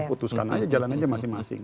putuskan aja jalan aja masing masing